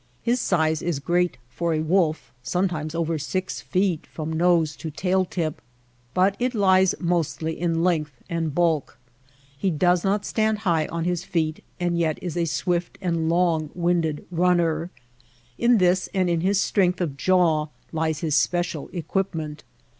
His size is great for a wolf — sometimes over six feet from nose to tail tip — but it lies mostly in length and bulk. He does not stand high on his feet and yet is a swift and long winded runner. In this and in his strength of jaw lies his special equipment.